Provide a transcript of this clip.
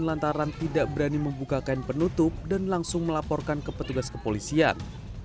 lantaran tidak berani membuka kain penutup dan langsung melaporkan ke petugas kepolisian